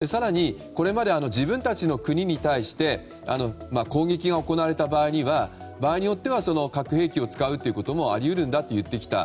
更にこれまで自分たちの国に対して攻撃が行われた場合には場合によっては核兵器を使うということもあり得るんだと言ってきた。